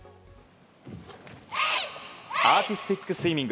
アーティスティックスイミング。